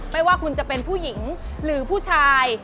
ไม่ว่าคุณจะเป็นผู้หญิงหรือผู้ชาย